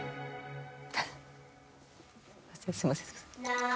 フッすいません。